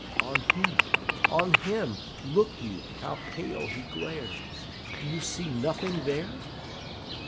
"On him on him! Look you, how pale he glares!... Do you see nothing there?"